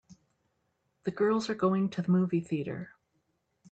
The girls are going to the movie theater.